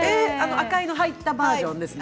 赤いのが入ったバージョンですね。